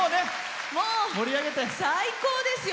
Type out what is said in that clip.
最高ですよ。